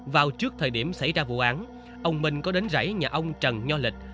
vào trước thời điểm xảy ra vụ án ông minh có đến rảy nhà ông trần nho lịch